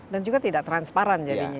dan juga tidak transparan jadinya